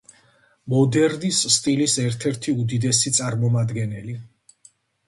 მოდერნის სტილის ერთ-ერთი უდიდესი წამომადგენელი.